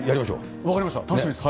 分かりました、楽しみです。